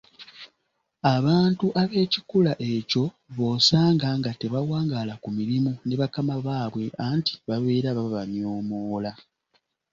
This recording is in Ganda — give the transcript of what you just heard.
Abantu ab'ekikula ekyo b'osanga nga tebawangaala ku mirimu ne bakama baabwe anti babeera babanyoomoola